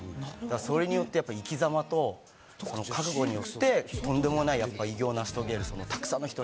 それによって生き様と、それによって、とんでもない偉業を成し遂げてくれる。